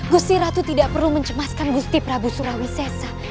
gusi ratu tidak perlu mencemaskan gusti prabu surawisesa